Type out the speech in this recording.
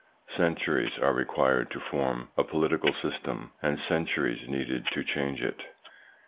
Centuries are required to form a political system and centuries needed to change it.